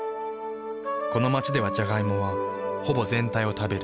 この街ではジャガイモはほぼ全体を食べる。